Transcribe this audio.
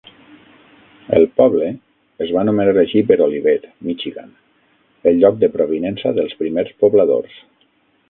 El poble es va anomenar així per Olivet (Michigan), ell lloc de provinença dels primers pobladors.